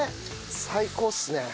最高っすね。